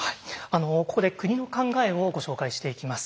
ここで国の考えをご紹介していきます。